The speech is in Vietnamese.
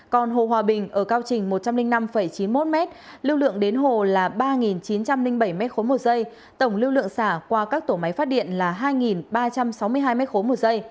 còn hồ hòa bình ở cao trình một trăm linh năm chín mươi một m lưu lượng đến hồ là ba chín trăm linh bảy m ba một giây tổng lưu lượng xả qua các tổ máy phát điện là hai ba trăm sáu mươi hai m ba một giây